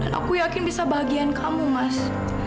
dan aku yakin bisa bahagiaan kamu mas